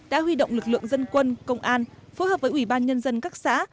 đã huy động lực lượng dân quân công an phối hợp với ủy ban nhân dân các xã